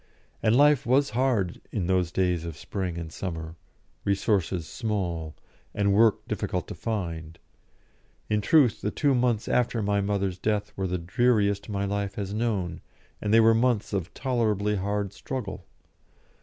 And life was hard in those days of spring and summer, resources small, and work difficult to find. In truth, the two months after my mother's death were the dreariest my life has known, and they were months of tolerably hard struggle.